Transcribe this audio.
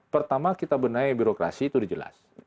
pertama kita benahi birokrasi itu udah jelas